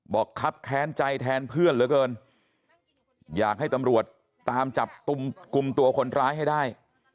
ครับแค้นใจแทนเพื่อนเหลือเกินอยากให้ตำรวจตามจับกลุ่มตัวคนร้ายให้ได้